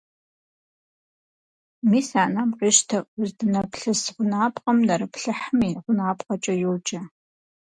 Мис а нэм къищтэ, уздынэплъыс гъунапкъэм нэрыплъыхьым и гъунапкъэкӀэ йоджэ.